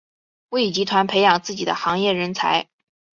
为集团培养自己的行业人才。